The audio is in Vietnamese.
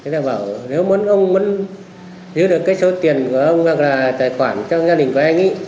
nếu muốn giữ được số tiền của ông hoặc là tài khoản trong gia đình của anh